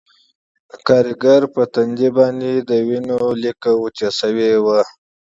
د کارګر په ټنډه باندې د وینو لیکه وچه شوې وه